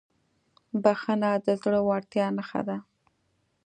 بښنه د زړهورتیا نښه ده.